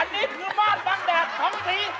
อันนี้คือมาดบางแดดสองสี